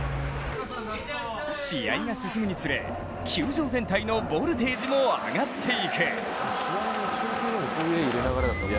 試合が進むにつれ、球場全体のボルテージも上がっていく。